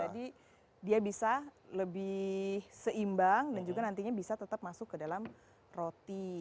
jadi dia bisa lebih seimbang dan juga nantinya bisa tetap masuk ke dalam roti